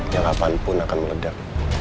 yang kapanpun akan meledak